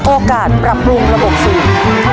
โอกาสปรับปรุงระบบสูง